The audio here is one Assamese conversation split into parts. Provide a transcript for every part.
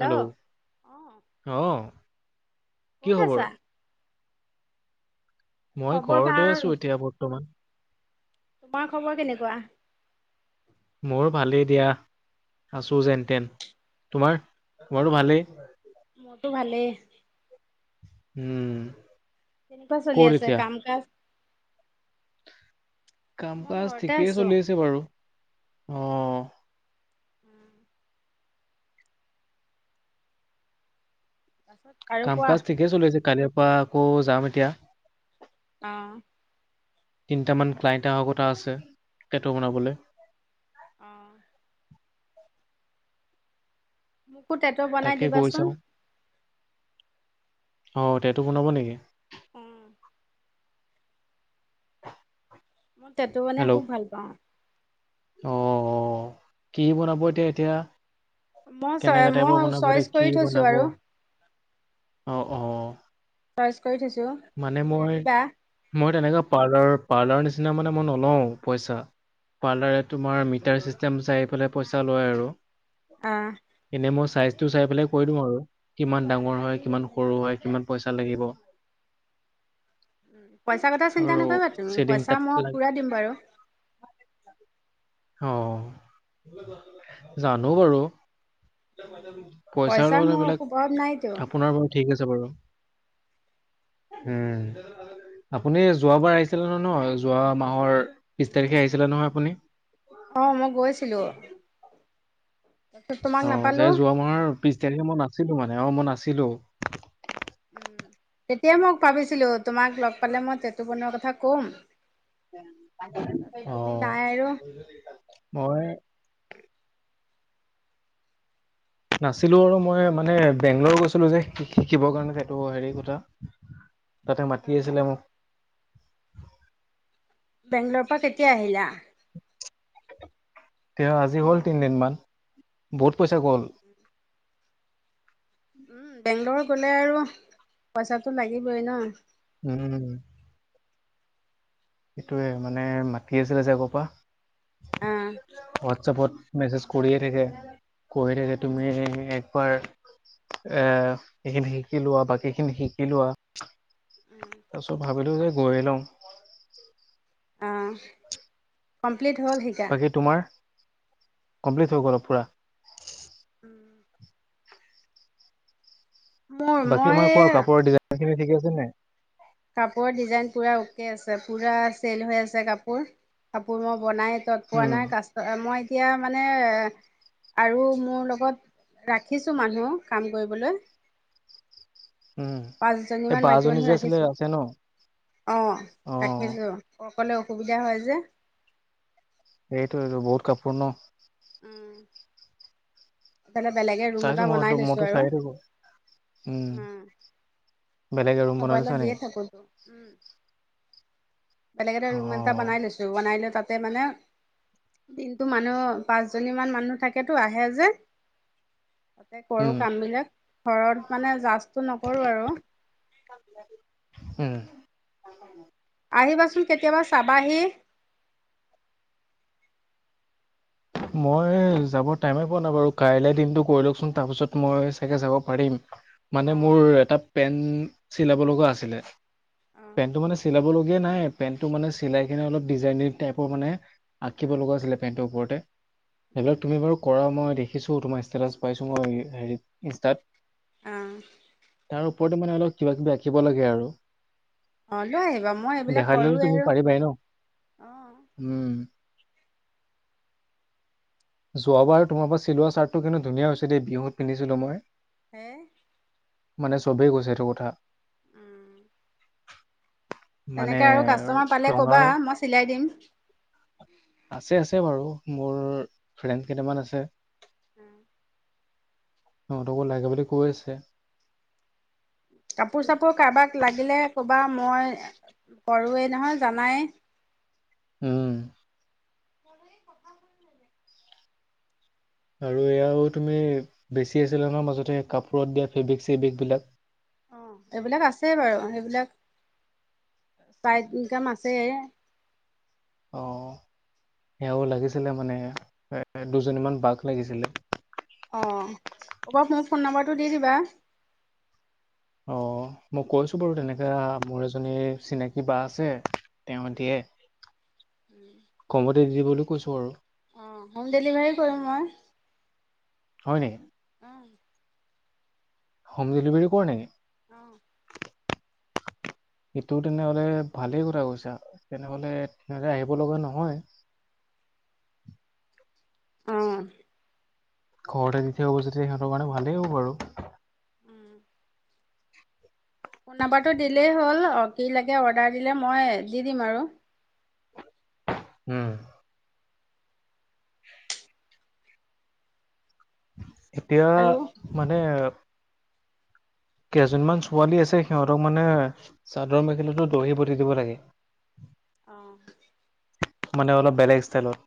হেল্ল, অ অ, কি ক'ত খবৰ? আছা? মই খবৰ ঘৰতে ভাল। আছো এতিয়া বৰ্তমান। তোমাৰ খবৰ কেনেকুৱা। মোৰ ভালেই দিয়া, আছোঁ যেন তেন তোমাৰ তোমাৰতো ভালেই। মোৰ টো ভালেই। উম, কেনেকুৱা চলি ক'ত আছে এতিয়া কাম কাজ। কাম মই কাজ ঘৰতে ঠিকেই আছো। চলি আছে বাৰু অ, [unintelligible] কাম কাজ ঠিকেই চলি আছে কালিৰ পৰা আকৌ যাম এতিয়া। অ, তিনিটামান ক্লাইণ্টাৰ অহা কথা আছে টেটু বনাবলৈ। অ'। মোকো টে তাকে গৈ চাওঁ অ', টেটু বনাব নেকি? উম। মই টেটু মানে হেল্ল' খুব ভাল পাওঁ। অ', অ'কি বনাব এতিয়া, এতিয়া? মই চ কেনেকা মই টাইপৰ বনাব চইচ কৰি কি থৈছো বনাব আৰু অ', অ'। চইচ কৰি থৈছোঁ, মানে তুমি মই আহিবা। মই তেনেকোৱা পাৰ্লাৰ, পাৰ্লাৰ নিচিনা মানে মই নলওঁ পইচা পাৰ্লাৰ। তোমাৰ মিটাৰ ছিষ্টেম চাই পেলাই পইচা লয় আৰু। অ'। এনেই মই চাইজটো চাই পেলাই কৈ দিম আৰু। কিমান ডাঙৰ হয় কিমান সৰু হয় কিমান পইচা লাগিব। পইচা কথা চিন্তা আৰু নকৰিবা তুমি চেডিং তাত পইচা মই লাগ পুৰা দিম বাৰু। অ', জানো বাৰু। পইচাৰ লগত মোৰ হেবিলাক অভাৱ নাইতো। আপোনাৰ। ঠিক আছে বাৰু উম। আপুনি যোৱাবাৰ আহিছিলে নহয় নহ, যোৱা মাহৰ বিছ তাৰিখে আহিছিলে নহয় আপুনি। অ', মই গৈছিলোঁ তো-তোমাক নাপালোঁ। আমাৰ। বিশ তাৰিখে মই নাছিলোঁ মানে অ', মই নাছিলোঁ। উম। তেতিয়া মই ভাবিছিলোঁ, তোমাক লগ পালে মই টেটু বনৰোৱাৰ কথা ক'ম। তাৰপিছত তুমি অ', নাই আৰু মই। নাছিলোঁ আৰু মই মানে বেংগলৰ গৈছিলোঁ যে শিকিবৰ কাৰণে এইটো হেৰি কথা। তাতে অ মাতি আছিলে মোক। বেংগলৰ পৰা কেতিয়া আহিলা? তিয়া আজি হ'ল তিনিদিনমান বহুত পইচা গ'ল। উম, বেংগলৰ গ'লে আৰু পইচাটো লাগিবই ন। উম। সেইটোৱে মানে মাতি আছিলে যে আগৰ পৰা। অ হোৱাটছএপত মেছেজ কৰিয়ে থাকে কৈয়ে থাকে তুমি হে এক এ-এইখিনি শিকি লোৱা বাকীখিনি শিকি লোৱা। তাৰ পিছত ভাবিলোঁ যে গৈয়ে লওঁ। [inaudible] অ'। কমপ্লিট হ'ল? শিকা বাকী তোমাৰ কমপ্লিট হৈ গ'ল পুৰা। উম। মোৰ বাকী তোমাৰ কোৱা মই কাপোৰৰ ডিজাইন খিনি ঠিকে আছে নে নাই? কাপোৰৰ ডিজাইন পূৰা অকে আছে, পুৰা চেল হৈ আছে কাপোৰ, কাপোৰ মই বনাই তত পোৱা উম নাই কাচ মই এতিয়া মানে। আৰু মোৰ লগত ৰাখিছোঁ মানুহ কাম কৰিবলৈ। উম এই পাঁচজনীমান বা মাইকী জনী মানুহ যে আছিলে ৰাখিছোঁ আছে ন অ', ৰাখিছোঁ। অকলে অসুবিধা হয় যে। এইটোৱেটো বহুত কাপোৰ ন। উম, বেলেগে। ৰুম এটা চাইছোঁ মই বনাই লৈছোঁ মইতো আৰু চাইয়ে থাকোঁ উম। বেলেগে মই ৰুম বনাই মোবাইলত থৈছা দিয়ে নেকি? উম, বেলেগ এটা অ ৰুম এটা বনাই লৈছোঁ, বনাই লৈ তাতে মানে দিনটো মানুহ, পাঁচ জনী মান মানুহ থাকেতো আহে যে তাতে কৰো উম কামবিলাক, ঘৰত মানে জাচটো নকৰো আৰু [unintelligible] উম, আহিবাচোন, কেতিয়াবা চাবাহি মই যাবৰ টাইমে পোৱা নাই বাৰু, কাইলে দিনটো কৰি লওক চোন তাৰপিছত মই চাগে যাব পাৰিম অ', মানে মোৰ এটা পেনট চিলাব লগা, আছিলে অ', পেনটো মানে চিলাব লগা এ নাই পেণ্টটো মানে চিলাই কিনে অলপ ডিজাইন টাইপৰ মানে, আঁকিব অ', লগা আছিলে পেণ্টটোৰ ওপৰতে সেইবিলাক উম, তুমি বাৰু কৰা মই দেখিছোঁ, তোমাৰ ষ্টেটাছ পাইছোঁ মই হেৰিত ইনষ্টাত অ', তাৰ ওপৰতে মানে, অলপ কিবা কিবি আঁকিব লাগে আৰু অ', লৈ আহিবা মই এইবিলাক দেখাই দিলে, কৰোঁৱেই তুমি আৰু পাৰিবাই ন অ', উম যোৱাবাৰ তোমাৰ পৰা চিলোৱা চাৰৰ্টটো কিন্তু ধুনীয়া হৈছে, দেই বিহুত পিন্ধিছিলো মই হে মানে চবেই কৈছে সেইটো কথা উম, মানে তেনেকে আৰু কাষ্টমাৰ পালে ক'বা, ৰঙাৰ মই চিলাই দিম আছে, আছে, বাৰু, মোৰ ফ্ৰেণ্ড কেইটামান আছে উম, সিহঁতকো লাগে বুলি কৈ আছে কাপোৰ চাপোৰ কাৰোবাক লাগিলে কবা, মই কৰুৱেই নহয় জানাই উম, [unintelligible] আৰু এয়াও তুমি বেছি আছিলে, নো মাজতে কাপোৰত দিয়া ফেব্ৰিক চেব্ৰিক বিলাক অ, এইবিলাক আছে বাৰু, সেইবিলাক চাইড ইনকাম আছে অ, সেয়াও লাগিছিলে মানে, এ দুজনীমান বাক লাগিছিলে- অ, এবাৰ মোক ফোন নাম্বাৰটো দি দিবা অ', ই কৈছো বাৰু, তেনেকা মোৰ এজনী চিনাকী বা আছে তেওঁ দিয়ে, কমতে দি বলৈ কৈছো আৰু অ ', হোম ডেলিভাৰী কৰিম মই হয় নেকি? অ', হোম ডেলিভাৰী কৰ নেকি? অ', এটো তেনেহ'লে ভালেই কথা কৈছা, তেনেহলে আহিব লগা নহয় অ', ঘৰতে যেতিয়া, যেতিয়া সিহঁতৰ কাৰণে ভালেই হ'ব আৰু ফোন নম্বাৰটো দিলেই হ'ল, কি লাগে অৰ্ডাৰ দিলে মই দি দিম আৰু উম, এতিয়া আৰু মানে কেইজনমান ছোৱালী আছে, সিহঁতক মানে চাদৰ মেখেলাটো দহি পতি দিব লাগে অ', মানে, অলপ বেলেগ ষ্টাইলত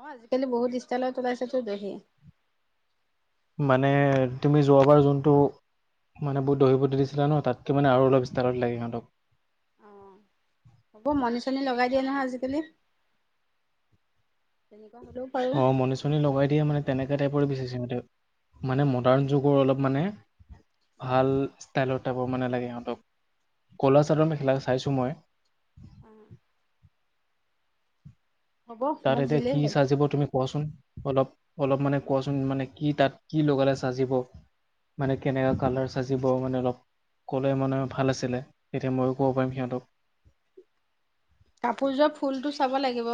অ', আজিকালি বহুত ষ্টালত ওলাইছে তো দহি মানে, তুমি যোৱাবাৰ যোনটো মানে বুত দহিবু দিছিলা নহয়, তাতকে মানে আৰু অলপষ্টালত লাগে সিহতক অ হ'ব মনি চনি লগাই দিয়ে নহয় আজিকালি তেনেকুৱা হ'লেও পাৰো অ, মণি চনি লগাই দিয়ে মানে তেনেকে টাইপৰে বিচাৰিছিল তেওঁ মানে মডাৰ্ণ উম যুগৰ অলপ মানে ভাল ষ্টাইলৰ টাইপৰ মানে, লাগে সিহঁতক ক'লা চাদৰ অ মেখেলা চাইছো মই অ'। হ'ব তাত মোক এতিয়া দিলেই কি হ'ল চাজিব তুমি কোৱাচোন অলপ অলপ মানে কোৱাচোন মানে কি তাত কি লগালে চাজিব। মানে কেনেকা কালাৰ চাজিব মানে অলপ ক'লে মানে ভাল আছিলে, এতিয়া ময়ো ক'ব পাৰিম সিহঁতক। কাপোৰযোৰ ফুলটো চাব লাগিব।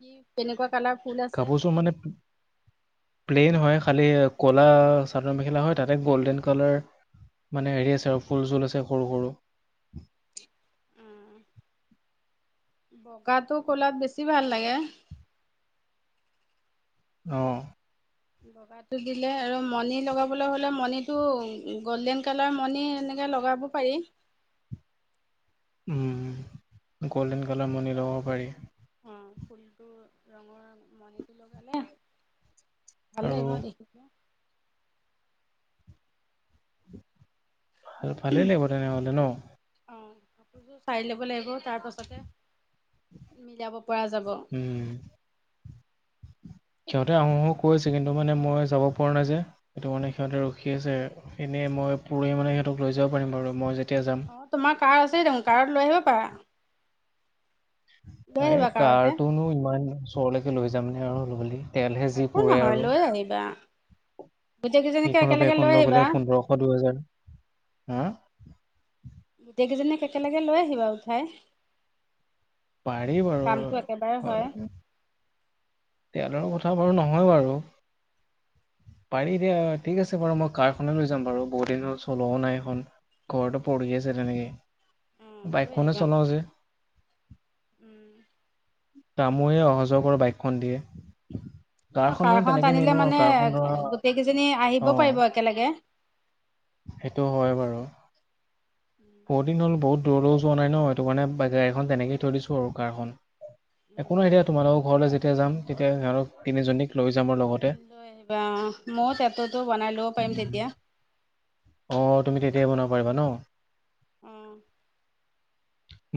কি কেনেকুৱা কালাৰ। ফুল আছে কাপোৰযোৰ মানে প্লেইন হয় খালি ক'লা চাদৰ মেখেলা হয় তাতে গ'ল্ডেন কালাৰ মানে হেৰি আছে আৰু ফুল চুল আছে সৰু সৰু। উম, বগাটো কলাত বেছি ভাল লাগে। অ'। বগাত দিলে আৰু মণি লগাবলৈ হ'লে মণিটো গ'ল্ডেন কালাৰ মণি এনেকে লগাব পাৰি। উম, গ'ল্ডেন কালাৰ মণি ল'ব পাৰি। অ' ফুলটো ৰঙৰ মণিটো লগালে। ভাল আৰু লাগিব দেখিব। ভা ভালেই লাগিব তেনেহ'লে ন'। অ' কাপোৰযোৰ চাই ল'ব লাগিব তাৰপাছতে, মিলাব পৰা যাব। উম সিহঁতে আহোঁ আহোঁ কৈছে কিন্তু মানে মই যাব পৰা নাই যে। সেইটো মানে সিহঁতে ৰখি আছে, এনে মই পুৰহি মানে সিহঁতক লৈ যাব পাৰিম বাৰু মই যেতিয়া যাম। অ' তোমাৰ কাৰ আছেই দেখোন কাৰত লৈ আহিব পাৰা। লৈ এই আহিবা কাৰতে কাৰটোনো ইমান ওচৰলৈকে লৈ যামনে আৰু ল'লি তেলহে যি একো পুৰে আৰু। [unintelligible] গোটেই কেইজনীকে সেইখনৰ একেলগে বাইকখন লৈ গ'লে আহিবা। পোন্ধৰশ দুহেজাৰ হা গোটেইকেইজনীক একেলগে লৈ আহিবা উঠাই। পাৰি বাৰু কামটো একেবাৰে হয় [unintelligible] তেলৰ কথাও বাৰু নহয় বাৰু। পাৰি দিয়া ঠিক আছে বাৰু মই কাৰখনে লৈ যাম বাৰু বহু দিন হ'ল চলোৱাও নাই সেইখন। ঘৰতে পৰি আছে তেনেকে, অ', লৈ বাইকখনে আহিবা চলাওঁ যে। উম। ন তামুৱে অহা যোৱা বাইকখন দিয়ে। অ' কাৰখন মানে কাৰখনত তেনেকে আনিলে নিনো আৰু মানে, কাৰখন ধৰা গোটেই কেইজনী আহিব পাৰিব একেলগে। সেইটোও হয় বাৰু। বহুদিন হ'ল বহু দূৰ দূৰ যোৱা নাই ন' সেইটো কাৰণে গাড়ীখন তেনেকেইে থৈ দিছোঁ আৰু কাৰখন। একো নাই এতিয়া তোমালোকৰ ঘৰলৈ যেতিয়া যাম তেতিয়া সিহঁতক তিনিজনীক লৈ যাম আৰু লগত। লৈ আহিবা অ' মই টেটুতো বনাই ল'ব পাৰিম উম। তেতিয়া। অ' তুমি তেতিয়াই বনাব পাৰিবা ন'। অ'।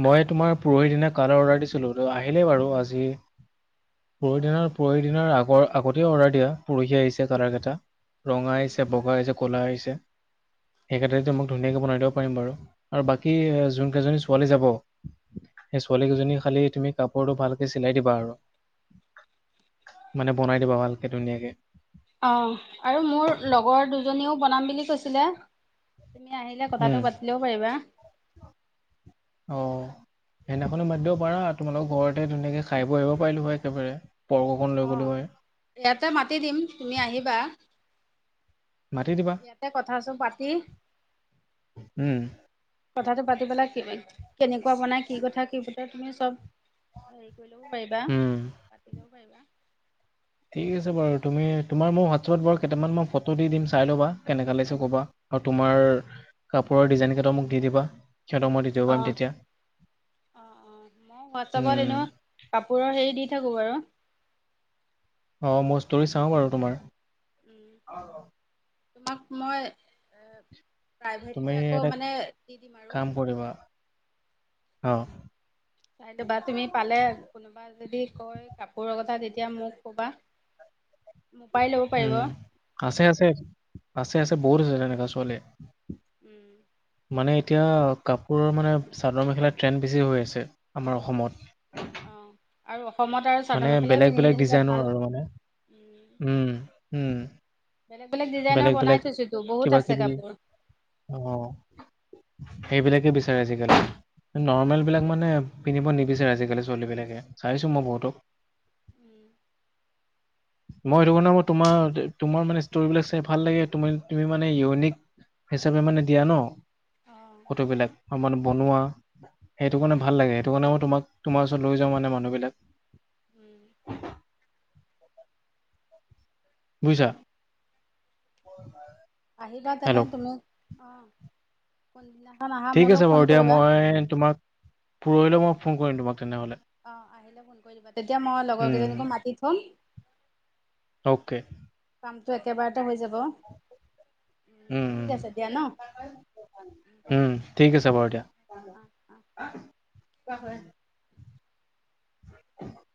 মই তোমাৰ পৰহি দিনা কালাৰ অৰ্ডাৰ দিছিলোঁ আহিলেই বাৰু আজি। পৰহি দিনৰ পৰহি দিনৰ আগৰ আগতে অৰ্ডাৰ দিয়া পৰহি আহিছে কালাৰ কেইটা। ৰঙা আহিছে বগা আহিছে ক'লা আহিছে, সেই [unintelligible] মোক ধুনীয়াকে বনাই দিব পাৰিম বাৰু, আৰু বাকী জোনকেইজনী ছোৱালী যাব সেই ছোৱালী কেইজনীৰ খালি তুমি কাপোৰটো ভালকে চিলাই দিবা আৰু। মানে বনাই দিবা ভালকে ধুনীয়াকে। অ' আৰু মোৰ লগৰ দুজনীও বনাম বুলি কৈছিলে। তুমি আহিলে উম কথাটো পাতিলেও পাৰিবা। অ' সেইদিনাখনে মাতি দিব পাৰা তোমালোকৰ ঘৰতে ধুনীয়াকৈ খাই বই আহিব পাৰিলোঁ হয় একেবাৰে। পৰ্ক অকণ লৈ অ', গ'লো হয়। ইয়াতে মাতি দিম তুমি আহিবা। মাতি দিবা ইয়াতে কথা চব পাতি। উম কথাটো পাতি পেলাই কি কেনেকুৱা বনাই কি কথা কি পতা তুমি চ'ব। হেৰি কৰি লও পাৰিবা উম কাটি লেও পাৰিবা। ঠিক আছে বাৰু, তুমি তোমাৰ মোৰ হোৱাটছআপত বাৰু কেইটামান ফটো দি দিম চাই লবা কেনেকা লাগছে ক'বা। আৰু তোমাৰ কাপোৰৰ ডিজাইন কেইটা মোক দি দিবা সিহঁতক মই দিব পাৰিম অ' তেতিয়া অ' অ' মই হোৱাটছআপত উম এনো কাপোৰৰ হেৰি দি থাকো বাৰু। অ' মই ষ্টৰি চাওঁ বাৰু তোমাৰ। উম, তোমাক মই তুমি প্ৰাইভেটকৈ আকৌ এটা মানে দি দিম আৰু। কাম কৰিবা অ' চাইথবা তুমি পালে কোনো কোনবাই যদি কয় কাপোৰৰ কথা তেতিয়া মোক ক'বা মোৰপৰাই ল'ব পাৰিব। উম আছে, আছে, আছে, আছে, বহুত আছে তেনেকুৱা ছোৱালী। উম। মানে এতিয়া কাপোৰৰ মানে চাদৰ মেখেলা ট্ৰেণ্ড বেছি হৈ আছে আমাৰ অসমত। অ' আৰু অসমত আৰু চাদৰ মানে মেখেলাই বেলেগ পিন্ধি বেলেগ আহিলে ডিজাইনৰ ভাল। আৰু মানে উম, উম। বেলেগ বেলেগ ডিজাইনৰ বনাই থৈছো তো বহুত কিবা আছে কিবি কাপোৰ। অ' সেইবিলাকে বিচাৰে আজিকালি নৰ্মেল অ'। বিলাক মানে। পিন্ধিব নিবিচাৰে আজিকালি ছোৱালী বিলাকে চাইছোঁ মই বহুতক। উম মই সেইটো কাৰণে মই তোমাৰ তোমাৰ মানে ষ্টৰিবিলাক চাই ভাল লাগে, তুমি মানে ইউনিক হিচাপে মানে দিয়া ন। অ' ফটোবিলাক মানে বনোৱা, সেইটো উম কাৰণে ভাল লাগে, সেইটো কাৰণে মই তোমাক। তোমাৰ ওচৰত লৈ যাম মানে মানুহিলাক। উম। বুইছা। আহিবা তেনে তুমি অ' কোনদিনাখন আহা। ঠিক মোলৈ আছে ফোন বাৰু দিয়া। কৰিবা। মই তোমাক পুৰোহিলৈ মই ফোন কৰিম তোমাক তেনেহ'লে। অ' আহিলে ফোন কৰি দিবা। তেতিয়া মই লগৰ কেইজনীকো ওম মাতি থ'ম। অ'কে। কামটো একেবাৰতে হৈ যাব। উম, ওম ওম ঠিক আছে দিয়া ন ওম ঠিক আছে বাৰু হ'ব। দিয়া অ'। অ'। কিবা হয়। [unintelligible]